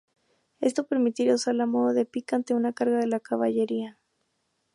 Esto permitía usarla a modo de pica ante una carga de la caballería.